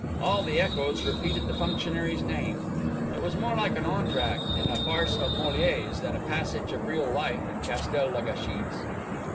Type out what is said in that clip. All the echoes repeated the functionary's name. It was more like an entr'acte in a farce of Molière's than a passage of real life in Castel le Gâchis.